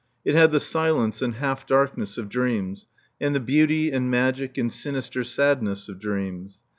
It had the silence and half darkness of dreams, and the beauty and magic and sinister sadness of dreams.